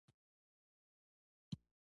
ژوندي د ژوند هر اړخ تجربه کوي